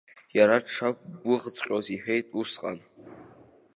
Иара дшақәгәыӷҵәҟьоз иҳәеит усҟан.